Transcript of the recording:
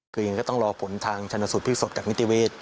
คือยังต้องรอผลทางชันนสูตรพิษสดจากนิติเวช